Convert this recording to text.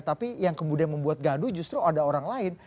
tapi yang kemudian membuat gaduh justru ada orang lain